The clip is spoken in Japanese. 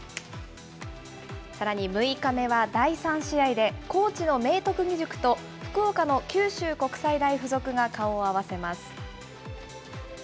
さらに６日目は、第３試合で、高知の明徳義塾と福岡の九州国際大付属が顔を合わせます。